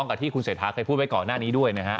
กับที่คุณเศรษฐาเคยพูดไว้ก่อนหน้านี้ด้วยนะฮะ